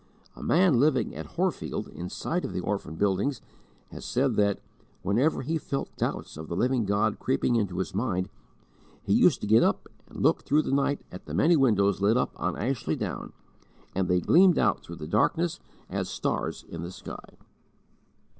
A man living at Horfield, in sight of the orphan buildings, has said that, whenever he felt doubts of the Living God creeping into his mind, he used to get up and look through the night at the many windows lit up on Ashley Down, and they gleamed out through the darkness as stars in the sky.